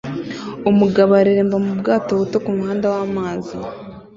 Umugabo areremba mu bwato buto kumuhanda wamazi